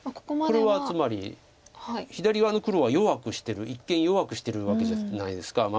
これはつまり左側の黒は弱くしてる一見弱くしてるわけじゃないですか。